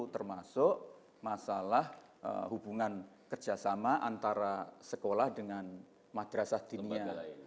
termasuk masalah hubungan kerjasama antara sekolah dengan madrasah dinia